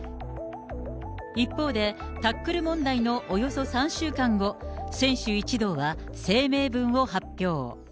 一方で、タックル問題のおよそ３週間後、選手一同は声明文を発表。